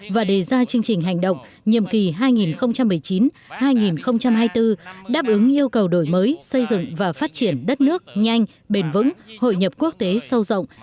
và đề ra chương trình hành động nhiệm kỳ hai nghìn một mươi chín hai nghìn hai mươi bốn đáp ứng yêu cầu đổi mới xây dựng và phát triển đất nước nhanh bền vững hội nhập quốc tế sâu rộng